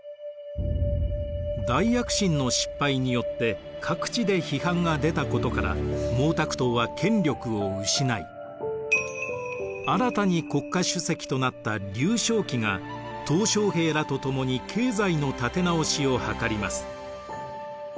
「大躍進」の失敗によって各地で批判が出たことから毛沢東は権力を失い新たに国家主席となった劉少奇が小平らと共に経済の立て直しを図ります。